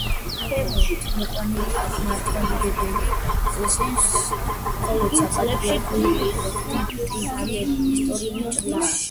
ქვემოთ მოყვანილია მართლმადიდებელი ეკლესიის მხოლოდ საპატრიარქო დიპტიქი ისტორიულ ჭრილში.